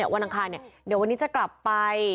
วันอังคารเดี๋ยววันนี้จะกลับไป